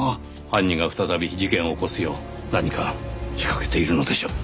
犯人が再び事件を起こすよう何か仕掛けているのでしょう。